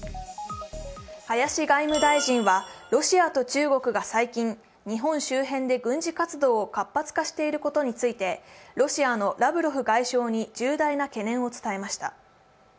林外務大臣はロシアと中国が最近、日本周辺で軍事活動を活発化していることについてロシアのラブロフ外相に重大な懸念を伝えました。